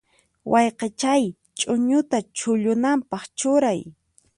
Wayqichay, ch'uñuta chullunanpaq churay.